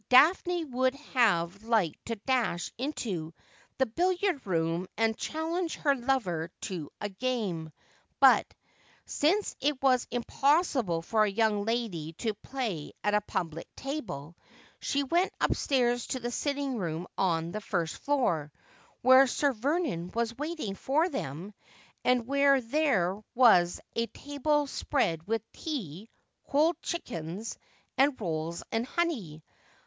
Daphne would have liked to ditsh into the billiard roora and challenge her lover to a I'june : but, since it was impossible for a young lady to play at a public table, she went upstairs to the sitting room on the first floor, whei'e Sir Vernon was waiting for them, and 324 Asplwdel. where there was a table spread with tea, cold chickens, and rolls and honey.